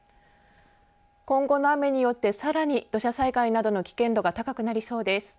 今後の雨によってさらに土砂災害などの危険度が高くなりそうです。